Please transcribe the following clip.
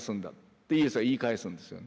ってイエスは言い返すんですよ。